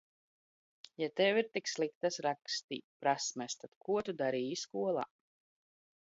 Ja Tev ir tik sliktas rakst?tprasmes, tad ko Tu dar?ji skol??